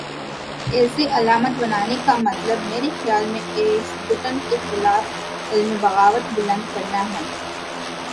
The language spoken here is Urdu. اسے علامت بنانے کا مطلب، میرے خیال میں اس گھٹن کے خلاف علم بغاوت بلند کرنا ہے۔